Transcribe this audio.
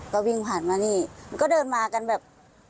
ก็วิ่งผ่านมานี่ก็เดินมากันแบบ